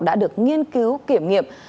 đã được nghiên cứu kiểm nghiệm